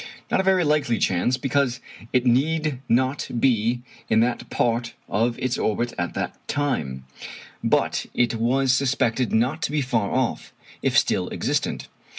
Not a very likely chance, because it need not be in that part of its orbit at the time; but it was suspected not to be far off if still existent.